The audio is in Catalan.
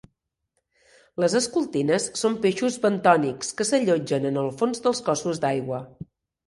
Les escultines són peixos bentònics que s'allotgen en els fons dels cossos d'aigua.